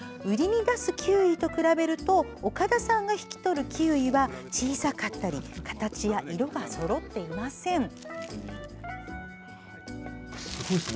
売りに出すキウイと比べると岡田さんが引き取るキウイは小さかったり形や色がそろっていません。